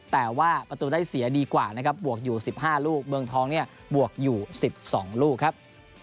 แต่ว่าประตูได้เสียดีกว่านะครับบวกอยู่๑๕ลูกเมืองทองเนี่ยบวกอยู่๑๒ลูกครับ